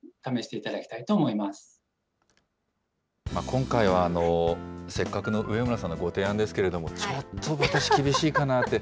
今回はせっかくの上村さんのご提案ですけれども、ちょっと私、厳しいかなって。